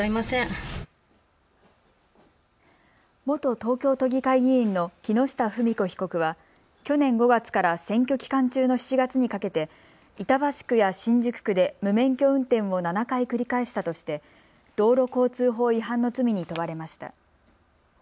元東京都議会議員の木下富美子被告は去年５月から選挙期間中の７月にかけて板橋区や新宿区で無免許運転を７回繰り返したとして道路交通法違反の罪に問われました。